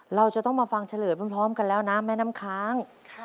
เราจะต้องมาฟังเฉลยพร้อมกันแล้วนะแม่น้ำค้าง